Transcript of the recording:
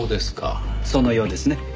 そのようですね。